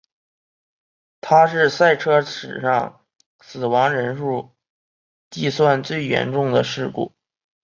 它是赛车史上以死亡人数计算最严重的事故。